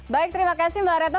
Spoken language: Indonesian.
baik terima kasih mbak retno